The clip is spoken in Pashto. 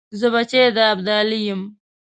زه بچی د ابدالي یم .